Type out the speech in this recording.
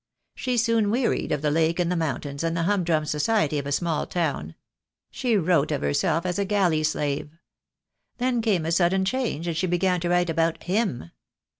She soon wearied of the lake and the mountains, and the humdrum society of a small town. She wrote of herself as a galley slave. Then came a sudden change, and she began to write about him.